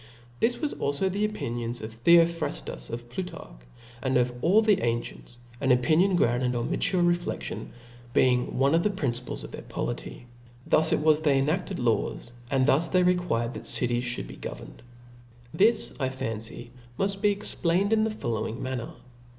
This was alfo the opinion of (OLifeof Thcophraftus, of Plutarch (^), and of all the an Pclopi a«r.cjentsi ^n opinion grounded on mature refledion'; being one of the principles of their polity *. Thus it was, they enafted laws, and thu$ they required that cities fhould be governed. This I fancy muft be explained in the following manner.